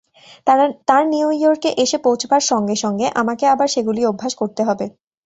তাঁর নিউ ইয়র্কে এসে পৌঁছবার সঙ্গে সঙ্গে আমাকে আবার সেগুলি অভ্যাস করতে হবে।